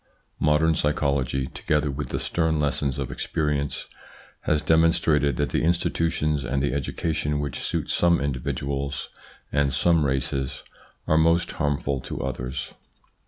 Modern psychology, together with the stern lessons of experience, has demonstrated that the institutions and the education which suit some individuals and some races are most harmful to others.